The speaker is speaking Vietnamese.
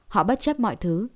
họ bất chấp mọi thứ